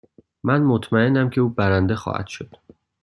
من مطمئنم که او برنده خواهد شد.